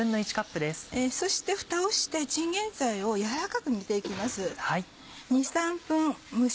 そしてふたをしてチンゲンサイを軟らかく煮て行きます。